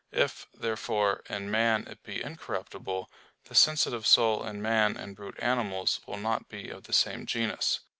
If, therefore, in man it be incorruptible, the sensitive soul in man and brute animals will not be of the same genus.